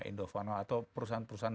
indofarma atau perusahaan perusahaan